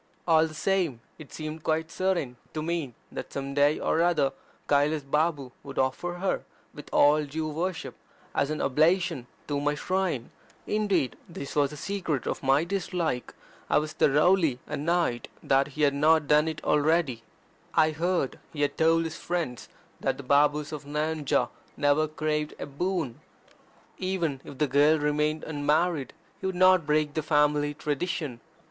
All the same, it seemed quite certain to me that some day ox other Kailas Babu would offer her, with all due worship, as an oblation at my shrine. Indeed this was the secret of my dislike I was thoroughly annoyed that he had not done it already. I heard he had told his friends that the Babus of Nayanjore never craved a boon. Even if the girl remained unmarried, he would not break the family tradition.